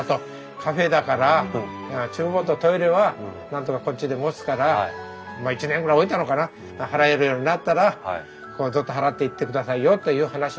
カフェだから厨房とトイレはなんとかこっちで持つから１年ぐらい置いたのかな払えるようになったらずっと払っていってくださいよという話はして。